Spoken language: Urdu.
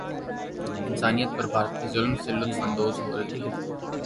انسانیت پر بھارتی ظلم سے لطف اندوز ہورہی ہے